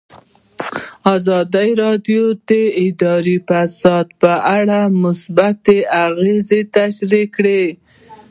ازادي راډیو د اداري فساد په اړه مثبت اغېزې تشریح کړي.